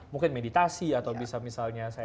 mungkin meditasi atau bisa misalnya saya